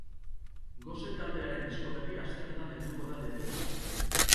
Gose taldearen disko berria aste honetan helduko da dendetara.